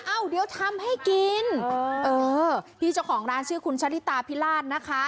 เอ้าเดี๋ยวทำให้กินเออพี่เจ้าของร้านชื่อคุณชะลิตาพิราชนะคะ